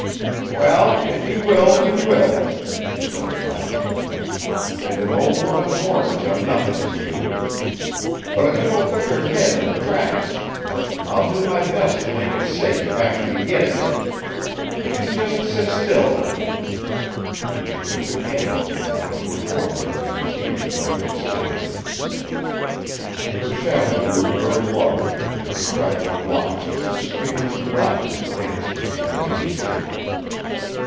"Well, if you will, you will," she said at last; "and an old woman's warnings are nothing to you. But if you will put your head in the traps, I'll do my best to make it safe after you git it there. You jist sit still, honey." And she took the candle and went to a corner where she seated herself at a stand. Her shadow grew very large, and her straggling locks sent streamers of blackness dancing on the grimy ceiling.